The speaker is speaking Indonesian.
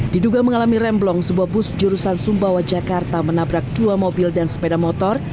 diduga mengalami remblong sebuah bus jurusan sumbawa jakarta menabrak dua mobil dan sepeda motor